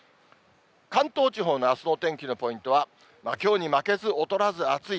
関東地方のあすのお天気のポイントは、きょうに負けず劣らず暑い。